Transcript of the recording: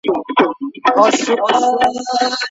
که د منډې وهلو لاري جوړې سي، نو ځوانان نه چاغیږي.